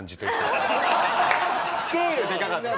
スケールでかかったですよね。